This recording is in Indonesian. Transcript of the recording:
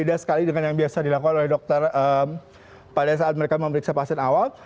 beda sekali dengan yang biasa dilakukan oleh dokter pada saat mereka memeriksa pasien awal